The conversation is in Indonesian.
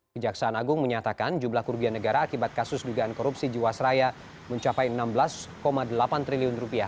kejaksaan agung menyatakan jumlah kerugian negara akibat kasus dugaan korupsi jiwasraya mencapai rp enam belas delapan triliun